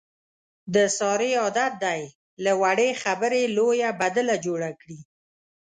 د سارې عادت دی، له وړې خبرې لویه بدله جوړه کړي.